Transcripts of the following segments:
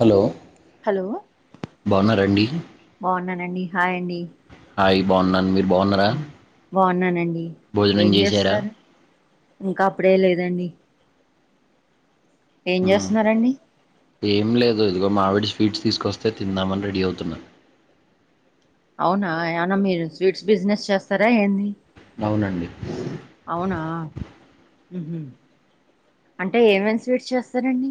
Hello hello బావున్నారండి? బవున్నానండి hi అండి. ఆయ్ బావున్నాన్. మీరు బావున్నరా? బావున్నానండి, ఏం చేశారా జేస్తున్నారు? ఇంకా అప్పుడే లేదండి. ఏం మ్మ్. జేస్తున్నారండి? ఏం లేదు, ఇదిగో మావిడి స్వీట్స్ తీసుకొస్తే, తిందామని రెడీ అవుతున్న. అవునా? ఏమన్నా మీరు స్వీట్స్ బిజినెస్ చేస్తరా ఏంది? అవునండి. అవునా? ఉహు, అంటే ఏమేమి స్వీట్స్ చేస్తరండి?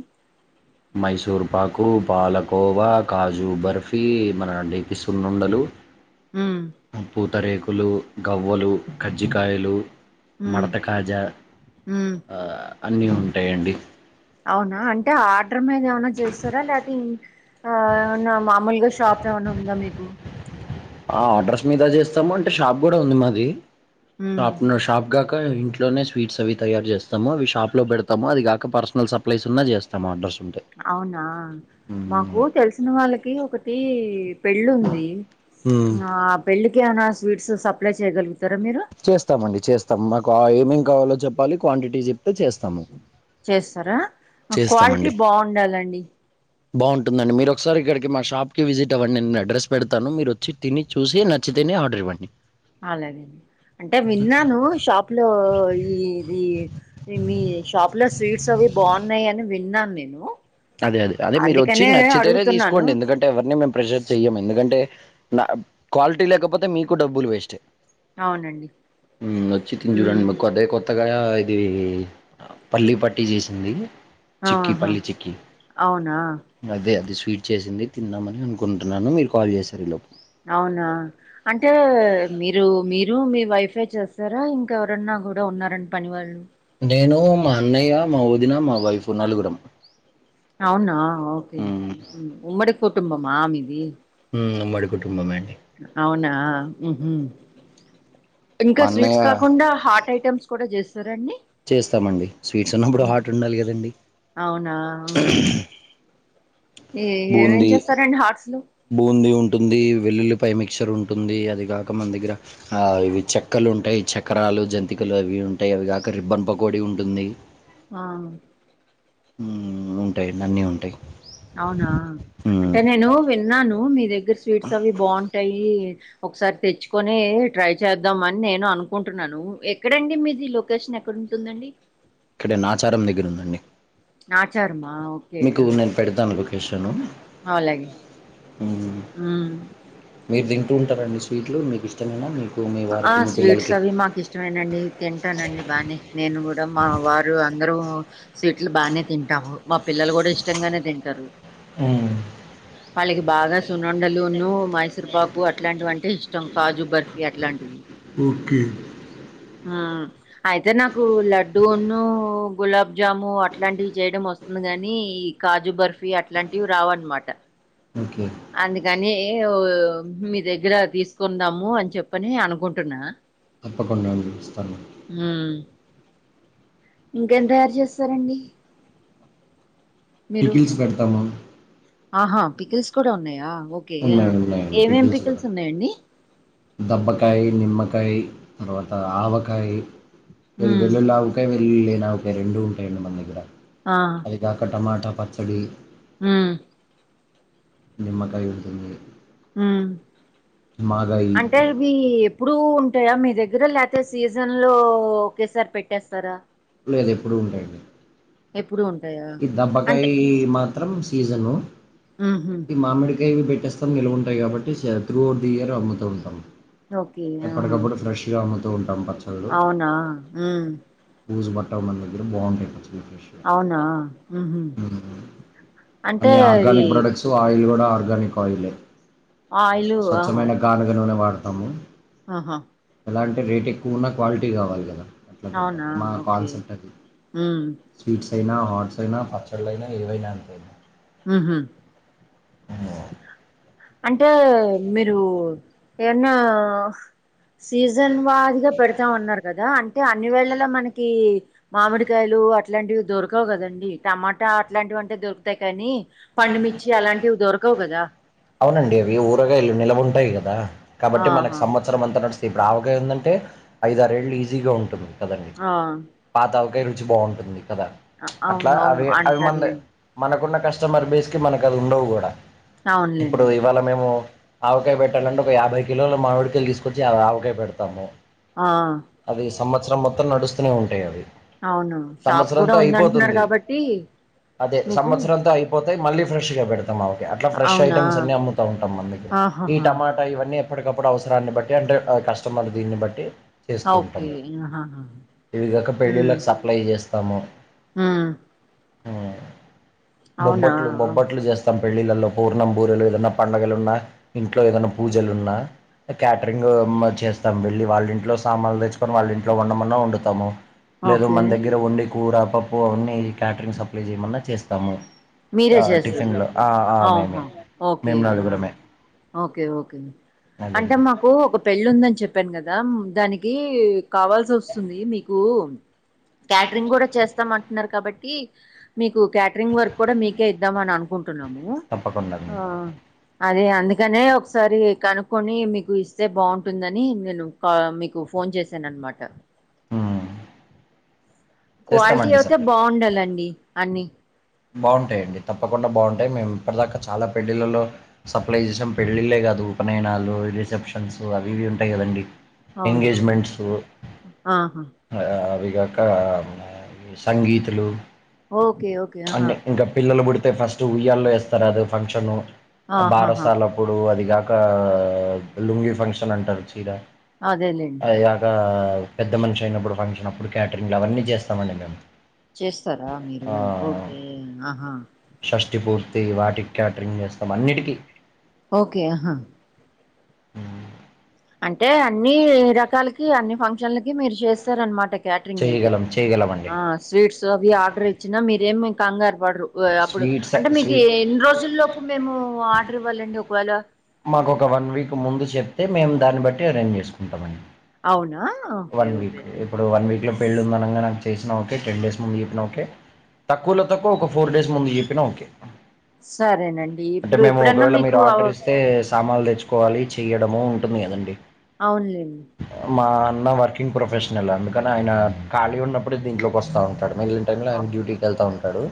మైసూరుపాకూ, పాలకోవా, కాజూబర్ఫీ, మన నేతి సున్నుండలు, ఉమ్ పూతరేకులూ, గవ్వలూ, కజ్జికాయలూ, ఉమ్ మడత కాజా, ఉమ్ ఆ అన్నీ ఉంటయండి. అవునా? అంటే ఆర్టర్ మీద ఏమన్నా చేస్తరా? లేక ఇంక్ ఆ ఏమన్నా, మాములుగా షాప్స్ ఏమన్నా, ఉందా మీకు? ఆ ఆర్డర్స్ మీద జేస్తాము. అంటే షాప్ గూడా ఉంది మాది ఉమ్ షాప్ నా షాప్ గాక, ఇంట్లోనే స్వీట్స్ అవి తయారు జేస్తాము. అవి షాప్ లో బెడతాము. అది గాక పర్సనల్ సప్లైస్ ఉన్నా జేస్ తం ఆర్డర్స్ ఉంటె అవునా? మాకు తెలిసిన వాళ్ళకి ఒకటీ పెళ్ళుందీ. హ్మ్ ఆ పెళ్ళికి ఏమన్నా స్వీట్స్ సప్లై చెయ్య గలుగుతారా మీరు? చేస్తామండి చేస్తాం. మాకు ఏమేం కావాలో చెప్పాలి. క్వాంటిటీ జెప్ తె చేస్తాము. చేస్తరా? మాక్ క్వాలిటీ బావుండాలండి. బావుంటుందండి. మీరు ఒకసారి ఇక్కడికి మా షాప్ కి విజిట్ అవ్వండి. నేను అడ్రస్ పెడతాను. మీరొచ్చి, తిని, చూసి, నచ్చితేనే, ఆర్డర్ ఇవ్వండి. అలాగేండి అంటే విన్నాను. షాప్ లో ఈ ఇదీ నెన్ మీ షాప్ లో, స్వీట్స్ అవి బావున్నాయని విన్నాను నేనూ అదే అది అదే మీరు ఒచ్చి, నచ్చితేనే, అడుగుతున్నాను దీసుకోండి. ఎందు కంటే ఎవరిని మేం ప్రెష్షర్ చెయ్యము. ఎందుకంటే? నా క్వాలిటీ లేకపోతే మీకు డబ్బులు వేస్టె. అవునండి ఉమ్ ఒచ్చి, తిని, ఉమ్ జూడండి. మక్వార్ దేకో. కొత్తగా ఇదీ, ఫల్లీ పట్టీ జేసింది. ఆహా! అవునా? అదే అది స్వీట్ చేసింది తిందాం అనుకుంటున్నాను మీరు కాల్ చేశారు ఈ లోపు అవునా అంటే మీరు మీరు మీ వైఫే చేస్తారా ఇంకా ఎవరన్నా కూడా ఉన్నారండి పని వాళ్ళు నేను మా అన్నయ్య మా వదిన మా వైఫ్ నలుగురం అవునా ఓకే మ్మ్ ఉమ్మడి కుటుంబమా మీది మ్ ఉమ్మడి కుటుంబం అండి అవునా మ్ హు ఇంకా మా అన్నయ్య స్వీట్స్ కాకుండా హాట్ ఐటెమ్స్ కూడా చేస్తారండి చేస్తామండి స్వీట్స్ ఉన్నప్పుడు ఉహు. హాట్ ఉండాలి కదండీ అవునా హ్మ్. ఏ ఏమేం చేస్తారండి హార్ట్స్లు బూంది ఉంటుంది వెల్లుల్లి పయ్ మిక్చర్ ఉంటుంది అది కాక మన దగ్గర ఆ ఇవి చెక్కెలు ఉంటాయి చక్రలు జంతికలు అవి ఉంటాయి అవి కాక రిబ్బన్ పకోడి ఉంటుంది ఆ మ్ ఉంటాయి అన్నీ ఉంటాయి అవునా మ్మ్ అంటే నేను విన్నాను మీ దగ్గర స్వీట్స్ అవి బాగుంటాయి ఒకసారి తెచ్చుకొని ట్రై చేద్దామని నేను అనుకుంటున్నాను ఎక్కడండి మీది లొకేషన్ ఏక్కడ ఉంటుందండి ఇక్కడే నాచారం దగ్గరూందండి నాచారమా ఓకే మీకు నేను పెడుతాను లొకేషను అలగే మ్మ్ మ్ మీరు తింటూ ఉంటారండి స్వీట్లు మీకు ఇష్టమైన మీకు మీ ఆ వారికి మీ స్వీట్స్ పిల్లలకి అవి మాకు ఇష్టమేనండి తింటానండి బానే నేను కూడా మా వారు అందరూ సీట్లు బానే తింటాము మా పిల్లలు కూడా ఇష్టంగానే తింటారు మ్ వాళ్ళకి బాగా సునుండలూను మైసూర్పాకు అట్లాంటివంటే ఇష్టం కాజు బర్ఫీ అట్లాం మ్ ఓకే ఆ అయితే నాకు లడ్డూన్ను గులాబ్జాము అట్లాంటివి చేయడం వస్ కని ఈ కాజు బర్ఫీ అట్లాంటివి రావన్నమాట ఓకే అందుకని మీ దగ్గర తీసుకుందాము అని చెప్పని అనుకుంటున్నా తప్పకుండా అండి ఇస్తాను మ్ ఇంకేం తయారు చేస్తారండి మీరు పికీల్స్ పెడుతాము ఆహా పికిల్స్ కూడా ఉన్నాయా ఓకే ఆ ఉన్నాయి ఉన్నాయండి ఏమేమి పికిల్స్ ఉన్నాయండి దబ్బకాయ్ నిమ్మకాయ్ తర్వాత ఆవకాయ్ ఉమ్ వెల్లుళ్ళి ఆవకాయ్ వెళ్లుళ్ళి నవకయ్ రెండూ ఉంటాయండి మన దగ్గర ఆ అది కాక టమాటా పచ్చడి మ్ నిమ్మకాయ్ ఉంటుంది మ్ మాగాయి అంటే ఇవి ఎప్పుడు ఉంటాయా మీ దగ్గర లే తే సీజన్ లో ఒకేసారి పెట్టేస్తారా లేదు ఎప్పుడు ఉంటాయండి ఎప్పుడు ఉంటాయా ఈ దబ్బకాయ అంటే మాత్రం సీజను ఉహు ఈ మామిడికాయవి పెట్టేస్త త్తం నిలువ ఉంటాయి. కాబట్టి సత్రూ దియార్ అమ్ముతూ ఉంటాం. ఓకే ఆహా ఎప్పటికప్పుడు ఫ్రెష్గా అమ్ముతాం ఉంటాం అవునా ఊ బూజుపట్టవ్ మన దగ్గర బాగుంటాయి. పచ్చళ్ళు ఫ్రెష్ అవునా ఉహు అంటే అన్ని అది ఆర్గానిక్ ప్రొడక్ట్స్ ఆయిల్ కూడా అన్ని ఆర్గానిక్ ఆయిలే ఆయిలు స్వచ్ఛమైన గానుగ నూనె వాడతాము ఆ ఎలా అంటే రేట్ ఎక్కువన్న క్వాలిటీ కావాలి కదా అట్లా పెట్టాలి అవునా మా ఓకే కాన్సెప్ట్ అది ఉమ్ స్వీట్స్ అయినా హాట్స్ అయినా పచ్చళ్ళు అయినా ఏవైనా అంతే ఉహు హ్మ్. అంటే మీరు ఏన్న సీజన్ వారీగా పెడతా ఉన్నారు కదా అంటే అన్ని వేళ్ళల మనకి మామిడికాయలు అట్లాంటివి అన్ని దొరకవు కదండి టమాటా అట్లాంటివి అంటే దొరుకుతాయి కానీ పండుమిర్చి అలాంటివి దొరకవు కదా అవునండి అవి ఊరగాయలు నిల్వ ఉంటాయి కదా కాబట్టి మనకు ఆహా సంవత్సరం సంవత్సరం అంత నడుస్తుా ఇప్పుడు ఆవకాయా ఉందంటే ఐదారేళ్లు ఈజీగా ఉంటుంది. కదండి ఆ పాతవకాయ రుచి బాగుంటుంది. కదా అట్లా అవును అవును అవి అవి మన్దె అంటారులేండి మనకున్న కస్టమర్ బేస్ కి మనకు అది ఉండవు. కూడా ఇప్పుడు అవునులేండి ఇవాళ మేము ఆవకాయ పెట్టాలంటే ఒక యాభై కిలోలు మామిడి కాయలు తీసుకొచ్చి ఆవకాయ పెడతాము ఆ అది సంవత్సరం మొత్తం నడుస్తూనే ఉంటాయి. అవి అవును షాప్ కూడా సంవత్సరంతో ఉందంటున్నారు అయిపోతుంది. కాబట్టి అదే మీకు సంవత్సరంతో అయిపో పోతే మళ్ళీ ఫ్రెష్ గా పెడతాం. ఆవకాయ్ అట్లా ఫ్రెష్ అవునా ఐటమ్స్ అన్ని అమ్ముతా ఉంటాం. మనం ఇప్పుడూ ఈ ఆహాహా టమాట ఇంకా ఇవన్నీ ఎప్పటికప్పుడు అవసరాన్ని బట్టి అంటే కస్టమర్ దీన్ని బట్టి చేస్తూ ఓకే ఉంటాము. ఆహాహా ఇవి కాక పెళ్ళిళ్ళకి సప్లై చేస్తాము హ్ బొబ్బట్లు అవునా బొబ్బట్లు చేస్తాము త్తం పెళ్లిళ్లలో పూర్ణం బూరెలు ఏదన్నా పండగలు ఉన్నా ఇంట్లో ఏదైన్నా పూజలు ఉన్నా క్యాటరింగ్ చేస్తాము. వెళ్ళి వాళ్ళ ఇంట్లో సామాన్లు తెచ్చుకొని వాళ్ళ ఇంట్లో వండమన్నా వండుతాము. లేదు ఓకే మన దగ్గర వండి కూర పప్పు అవన్నీ క్యాటరింగ్ సప్లైస్ చేయమన్నా చేస్తాము మీరే ఆ చేస్త టిఫిన్లో ఆ ఆ మేమే అహా ఓకే మేము ఆ నలుగురమే ఓకే ఓకే అంటే అదేండి మాకు ఒక పెళ్ళి ఉందని చెప్పాను. కదా దానికి కావాల్సి వస్తుంది. మీకు క్యాటరింగ్ కూడా చేస్తాము. అంటున్నారు కాబట్టి మీకు క్యాటరింగ్ వర్క్ మీకే ఇద్దామని అనుకుంటున్నాము తప్పకుండా ఆ అదే అందుకనే ఒకసారి కనుక్కొని మీకు ఇస్తే బాగుంటుందని నేను ఆ మీకు ఫోన్ చేసాను అన్నమాట హ్ క్వాలిటీ అయితే సార్ బాగుండాలండి అన్ని బాగుంటాయిండి తప్పకుండా బాగుంటాయి. మేము ఇప్పటిదాకా చాలా పెల్లిళ్లలో సప్లై చేసాం పెళ్ళిళ్లే కాదు ఉపనయనాలు రిసెప్షన్స్ అవి ఇవి ఉంటాయి కదండి. అవును ఎంగేజ్మెంట్స్, ఆహా అవి కాక సంగీతులు, ఓకే ఓకే ఆహా అన్ని ఇంకా పిల్లలు పుడితే ఫస్ట్ ఉయ్యల్లో వేస్తారు. అది ఫంక్షన్ ఆహాహా భారసాలం. ఇప్పుడు అది కాక లుంగి ఫంక్షన్ అంటారు చీర అదేలేండి అవి కాక పెద్ద మనిషి అయినప్పుడు ఫంక్షన్ అప్పుడు కే్టరింగ్ అవన్నీ చేస్తామండి మేము, చేస్తారా మీరు ఆహ్, ఓకే ఆహా షష్టి పూర్తి వాటికి క్యాటరింగ్ చేస్తాం అన్నిటికీ, ఓకే ఆహా హ్మ్. అంటే అన్ని రకాలకి అన్ని ఫంక్షన్ జళ్లకి మీరు చేస్తారనమాట కేటరింగ్ అయితే చేయగలం చేయగలమండి ఆ స్వీట్స్ అవి ఆర్డర్ ఇచ్చినా మీరేమి కంగారు పడరు అప్పుడు స్వీట్స్ అంటే మీకు స్వీ ఎన్ని రోజుల్లో ఇప్పుడు మేము ఆర్డర్ ఇవ్వాలండి ఒకవేళ మాకు ఒక వన్ వీక్ ముందు చెప్తే మేము దాన్ని బట్టి అరేంజ్ చేసుకుంటామండి. అవునా ఒకే వన్ వీక్ ఇప్పుడు వన్ వీక్ లో పెళ్ళి ఉంద అనగా నాకు చేసినా ఓకే టెన్ డేస్ ముందు చెప్పిన ఓకే తక్కువలో తక్కువ ఒక ఫోర్ డేస్ ముందు చెప్పినా ఓకే సరేనండి అంటే ఇప్పుడు మేము ఎప్పుడన్నా ఒకవేళ మీరు మీకు అవ్ ఆర్డర్ ఇస్తే, సామాన్లు తెచ్చుకోవాలి చెయడము ఉంటుంది కదండి అవునులేండి మా అన్న వర్కింగ్ ప్రొఫెషనల్ అందుకని ఆయన ఖాళీ ఉన్నప్పుడే దీంట్లోకి వస్తా ఉంటాడు మిగిలి టైమ్ లో అవ్ ఆయనా డ్యూటీ వెళ్తా ఉంటాడు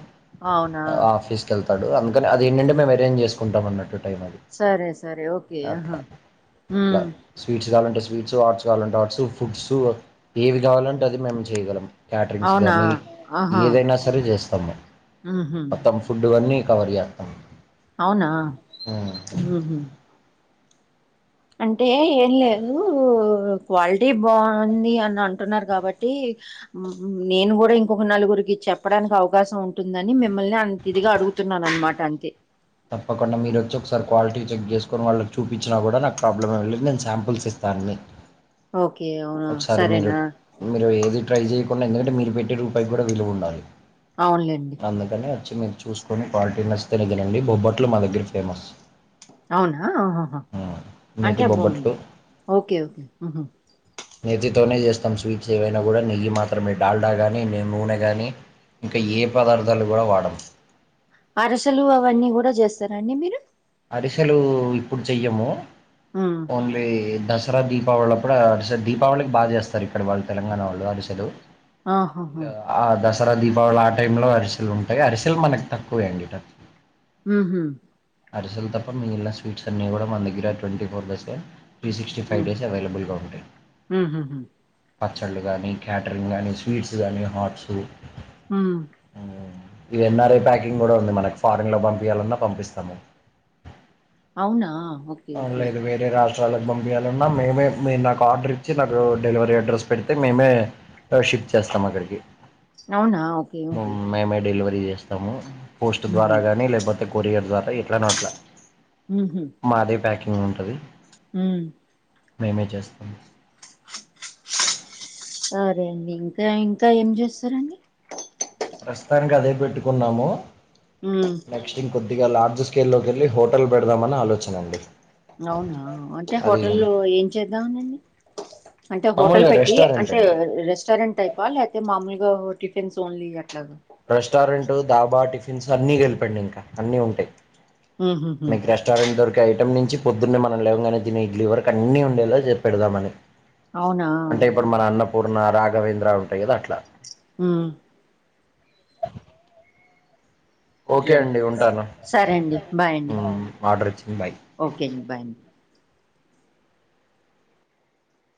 అవునా ఆఫీస్ వెళ్తాడు అందుకని అదిేంటండి మే అరంజ్ చేసుంటాం అన్నటు టైం అది సరే సరే ఓకే ఆహా అట్లా ఉం ఇట్లా స్వీట్స్ కావాలంటే స్వీట్స్ ఆర్ట్స్ కావాలంటే హర్ట్స్ ఫుడ్స్ ఏవి కావాలంటే అది మేము చేయగలం క్యాటరింగ్స్ అవునా కానీ ఆహా ఏదైనా సరే చేస్తాము హుహు. మొత్తం ఫుడ్డు అన్నీ కవర్ చేస్తాము. అవునా ఆ అంటే ఏం లేదు క్వాలిటీ బాగుంది అని అంటున్నారు కాబట్టి, నేను కూడా ఇంకొక నలుగురికి చెప్పడానికి అవకాశం ఉంటుంది. ఉంటుందని మిమ్మల్ని అంత ఇదిగా అడుగుతున్నాను అనమాట అంతే, తప్పకుండా మీరు వచ్చి ఒకసారి క్వాలిటీ చెక్ చేసుకొని వాళ్ళకి చూపించినా కూడా నాకు ప్రాబ్లమే్వలేదు నేను శాంపుల్స్ ఇస్తానులే. ఓకే అవునా ఒక సరే మీరు సరేనా మీరు ఏది ట్రై చేయకుండా ఎందుకంటే మీరు పెట్టే రూపాయికి కూడా విలువ ఉండాలి. అవునులేండి, అందుకని వచ్చి మీరు చూసుకొని క్వాలిటీ నచ్చేతే నాద్దాకరికి రండి బొబ్బట్లు మా దగ్గర ఫేమస్. అవునా ఉహా ఉహా అంటే నేతి అబ్బా బొబ్బట్లు ఓకే ఓకే ఉహుమ్ నెజ్జి తోనే చేస్తాం స్వీట్స్ ఏవైనా కూడా నెయ్యి మాత్రమే డాల్డా గానీ మీము నూనెగాని, ఇంకా ఏ పదార్థాలు కూడా వాడం. అరసలు అవన్నీ కూడా చేస్తారండి మీరు, అరిసెలు ఇప్పుడు చెయ్యము. ఆ ఓన్లీ దసరా దీపావళి అప్పుడు అరిసెలు దీపావళికి బాగా జేస్తారు ఇక్కడ వాళ్ళు తెలంగాణ వాళ్ళు అరిసెలు. ఆహాహా ఆ దసరా దీపావళి ఆ టైంలో అరిసెలు ఉంటాయి అరిసెలు మనకు తక్కువే అండి మ్ హు అరిసెలు తప్ప మిగిలిన స్వీట్స్ అన్ని గూడా మన దగ్గర twenty four by seven three sixty five ఉహు డేస్ అవైలబుల్గా ఉంటాయి ఉహుహు పచ్చళ్ళు గానీ క్యాటరింగ్ గానీ స్వీట్స్ కానీ హార్ట్స్ ఉమ్ ఉమ్ ఇది ఎన్ఆర్ఐ ప్యాకింగ్ గూడా ఉంది మనకి ఫారన్లో పంపియాలన్నా పంపిస్తాము అవునా ఓ ఆ లేదు వేరే రాష్ట్రాలకు పంపియాలన్నా మేమే మీరు నాకు ఆర్డర్ ఇచ్చి నాకు డెలివరీ అడ్రస్ పెడితే మేమే షిఫ్ట్ చేస్తాం అక్కడికి అవునా ఓకే ఓకే మేమే డెలివరీ జేస్ స్తము పోస్ట్ ద్వారా ఉహు గాని లేకపోతే కొరియర్ ద్వారా ఎట్లనో అట్లా మ్ హు మాదే ప్యాకింగ్ ఉంటది మేమే జేస్తాము సరే అండి ఇంకా ఇంకా ఏం జేస్తారండి ప్రస్తుతానికి అదే పెట్టుకున్నాము ఉమ్ నెక్స్ట్ ఇంకొ ఇగ లార్జ్ స్కేల్లో కెళ్ళి హోటల్ పెడదామని ఆలోచన అండి అవునా అంటే అది హోటల్లో ఏం చేద్దామనండి అంటే హోటల్ మామూలుగా పెట్టి రెస్టారెంట్ అంటే అండి రెస్టారెంట్ టైప్ ప్ప లేతే మామూలుగా టిఫిన్స్ ఓన్లీ అట్లాగా రెస్టారెంట్ ధాబా టిఫిన్స్ అన్ని కల్పి అండి ఇంకా అన్ని ఉంటాయి ఉమ్ హుహు ఐటమ్ నించి పొద్దున్నే మనం లేవగానే దినే ఇడ్లీ వర్క్ అన్నీ ఉండేలా చెస్ పెడదామని అవునా అంటే ఇప్పుడు మన అన్నపూర్ణ రాఘవేంద్ర ఉంటాయి గదా అట్లా ఉమ్ ఓకే అండి ఉంటాను సరే అండి బాయ్ అండి ఆర్డర్ ఇచ్చింది బాయ్ ఓకే అండి బాయ్ అండి